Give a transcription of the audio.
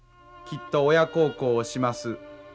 きっと親孝行をします。